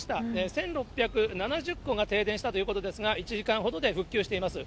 １６７０戸が停電したということですが、１時間ほどで復旧しています。